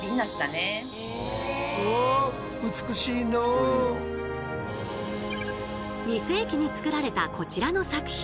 これ２世紀に作られたこちらの作品。